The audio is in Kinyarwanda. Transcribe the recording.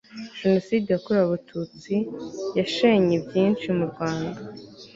jenoside yakorewe abatutsi yashenye byinshi mu rwanda